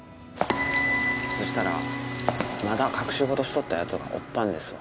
そしたらまだ隠し事しとったやつがおったんですわ